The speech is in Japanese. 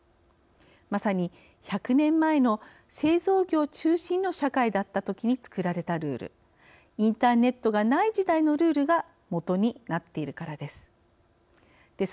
まさに、１００年前の製造業中心の社会だったときに作られたルールインターネットがない時代のルールが基になっているからです。